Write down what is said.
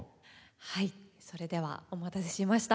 はいそれではお待たせしました。